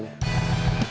kayak kayak pura pura